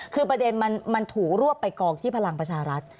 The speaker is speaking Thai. คือประเด็นมันถูกรวบไปกองที่พลังประชารัฐ